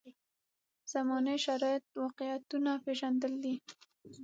زمانې شرایط واقعیتونه پېژندل دي.